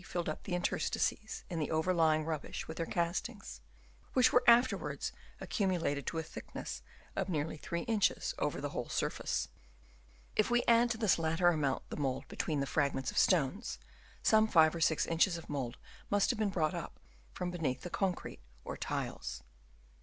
199 < filled up the interstices in the overlying rubbish with their castings, which were after wards accumulated to a thickness of nearly three inches over the whole surface. If we add to this latter amount the mould between the fragments of stones, some five or six inches of mould must have been brought up from beneath the concrete or tiles.